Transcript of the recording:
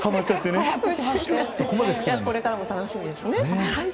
これからも楽しみですね。